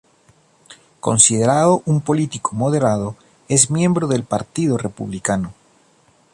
Considerado un político moderado, es miembro del Partido Republicano.